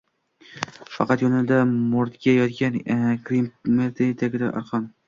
Faqat yonida murda yotgan kriptomeriy tagida arqon